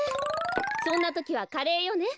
そんなときはカレーよね。